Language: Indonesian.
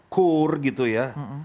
kur gitu ya